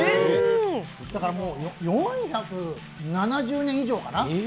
だからもう４７０年以上かな？